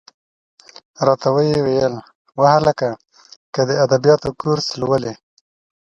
را ته یې وویل: وهلکه! که د ادبیاتو کورس لولې.